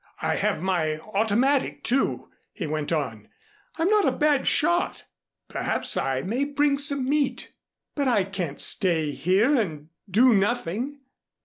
I have my automatic, too," he went on. "I'm not a bad shot. Perhaps, I may bring some meat." "But I can't stay here and do nothing."